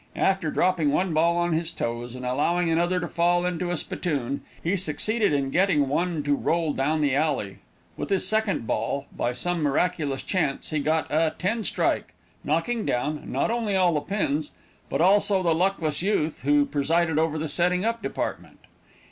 After dropping one ball on his toes, and allowing another to fall into a spittoon, he succeeded in getting one to roll down the alley; with his second ball, by some miraculous chance, he got a "ten strike," knocking down, not only all the pins, but also the luckless youth who presided over the setting up department.